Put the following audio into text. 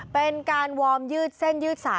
เป็นการวอร์มยืดเส้นยืดสาย